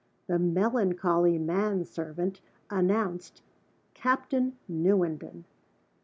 The melancholy man servant announced Captain Newenden.